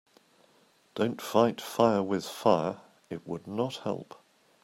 Don‘t fight fire with fire, it would not help.